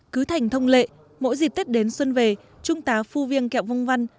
cứ thành thông lệ mỗi dịp tết đến xuân về chúng ta phu viêng kẹo vung văn